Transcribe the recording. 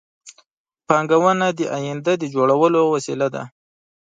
پانګونه د آینده د جوړولو وسیله ده